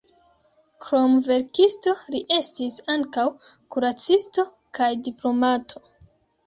Krom verkisto, li estis ankaŭ kuracisto kaj diplomato.